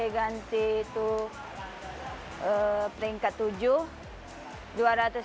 dua ratus ganti itu peringkat tujuh